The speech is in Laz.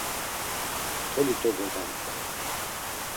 Toli to gogant̆ay!